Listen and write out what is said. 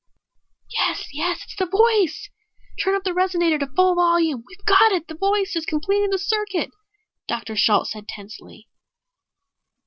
"Yes, yes, it's the voice! Turn up the resonator to full volume! We've got it! The voice is completing the circuit!" Dr. Shalt said tensely.